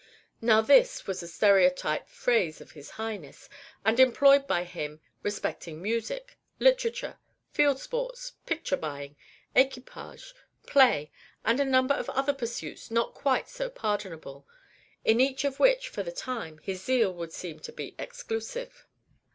Now, this was a stereotyped phrase of his Highness, and employed by him respecting music, literature, field sports, picture buying, equipage, play, and a number of other pursuits not quite so pardonable, in each of which, for the time, his zeal would seem to be exclusive.